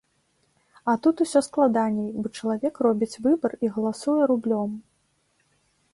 А тут усё складаней, бо чалавек робіць выбар і галасуе рублём!